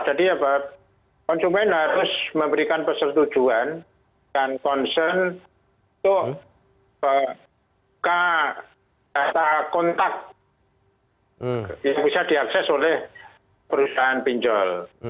jadi ya pak konsumen harus memberikan persetujuan dan concern untuk buka data kontak yang bisa diakses oleh perusahaan pinjol